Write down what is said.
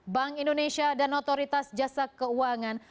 bank indonesia dan otoritas jasa keuangan